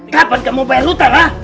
kapan kamu bayar hutang ya